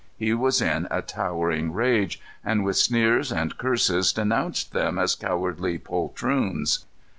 He was in a towering rage, and with sneers and curses denounced them as cowardly poltroons.